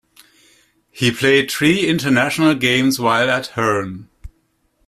He played three international games while at Herne.